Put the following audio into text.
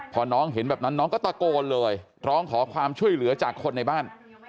พอน้องเห็นแบบนั้นน้องก็ตะโกนเลยร้องขอความช่วยเหลือจากคนในบ้าน